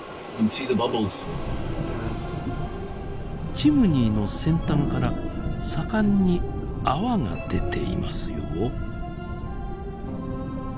チムニーの先端から盛んに泡が出ていますよ。